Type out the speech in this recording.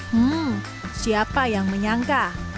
hmm siapa yang menyangka